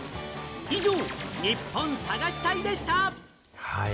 以上、ニッポン探し隊でした！